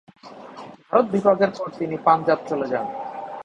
ভারত বিভাগের পর তিনি পাঞ্জাব চলে যান।